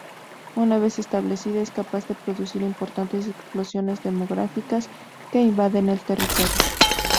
Una vez establecida, es capaz de producir importantes explosiones demográficas que invaden el territorio.